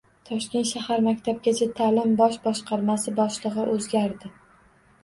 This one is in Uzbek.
Toshkent shahar maktabgacha ta'lim bosh boshqarmasi boshlig‘i o‘zgardi